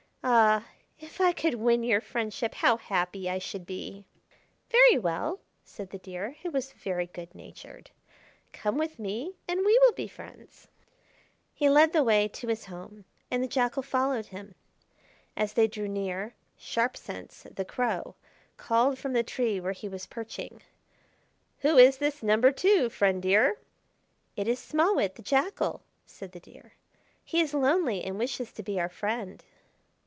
Ah! if I could win your friendship how happy I should be!" "Very well," said the Deer, who was very good natured. "Come with me, and we will be friends." He led the way to his home, and the Jackal followed him. As they drew near, Sharp Sense, the Crow, called from the tree where he was perching: "Who is this number two, Friend Deer?" "It is Small Wit, the Jackal," said the Deer. "He is lonely, and wishes to be our friend."